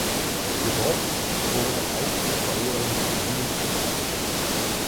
Die Box wurde auch zur Steuerung des Menüs benutzt.